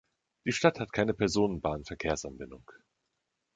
Die Stadt hat keine Personenbahnverkehrsanbindung.